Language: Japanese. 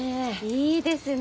いいですね